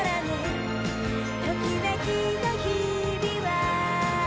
「ときめきの日々は」